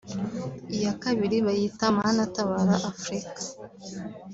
iya kabiri bayita Mana tabara Afrika